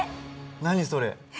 何それ？